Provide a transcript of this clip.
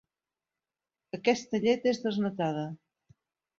Aquesta llet és desnatada.